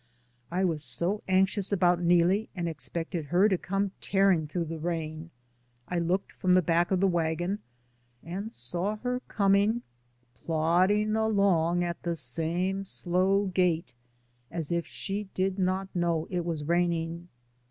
I was so anxious about Neelie and expected her to come tearing through the rain. I looked from the back of the wagon and saw her coming — plodding along at the same slow gait, as if she did not know it was raining.